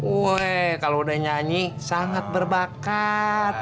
weh kalau udah nyanyi sangat berbakat